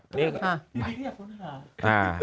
ไม่ไม่เรียกคุณภาพ